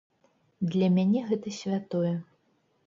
Для мяне гэта святое.